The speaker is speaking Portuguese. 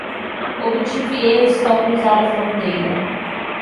Obtive êxito ao cruzar a fronteira